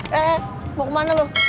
eh eh mau kemana lo